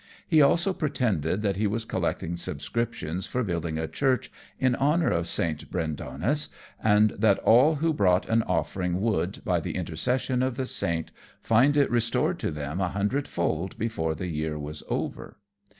He also pretended that he was collecting subscriptions for building a church in honour of Saint Brandonis, and that all who brought an offering would, by the intercession of the Saint, find it restored to them a hundredfold before the year was over.